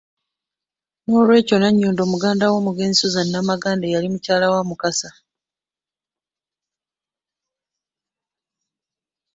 Nolwekyo Nanyondo muganda w'omugenzi Suzan Namaganda eyali mukyala wa Mukasa.